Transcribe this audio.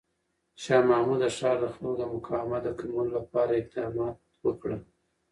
شاه محمود د ښار د خلکو د مقاومت د کمولو لپاره اقدامات وکړ.